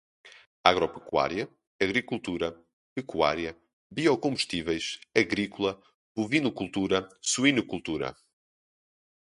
agropecuária, agricultura, pecuária, biocombustíveis, agrícola, bovinocultura, suinocultura